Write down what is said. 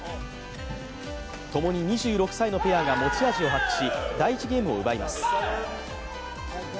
共に２６歳のペアが持ち味を発揮し、第１ゲームを奪います。